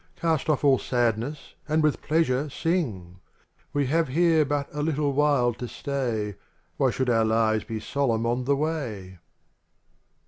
Cast off all sadness and with pleasure sing ; We have here but a little while to stay, Why should our lives be solemn on the way